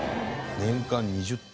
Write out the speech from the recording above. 年間２０反。